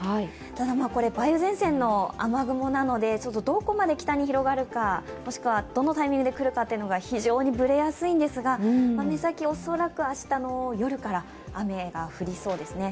ただ、梅雨前線の雨雲なのでどこまで北に広がるか、もしくはどのタイミングで来るかというのが非常にブレやすいんですが目先、恐らく明日の夜から雨が降りそうですね。